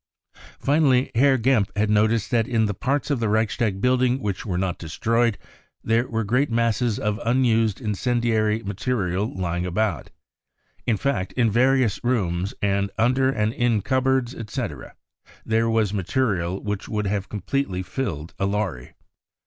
" Finally, Herr Gempp had noticed that in the parts of the Reichstag building which were not destroyed there were great masses of unused incendiary material lying about ; in fact, in various rooms and under and in cupboards, etc., there was material which would have completely filled a lorry."